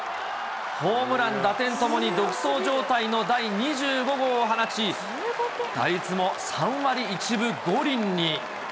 ホームラン、打点ともに独走状態の第２５号を放ち、打率も３割１分５厘に。